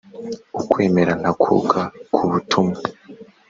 ukwemera ntakuka ku butumwa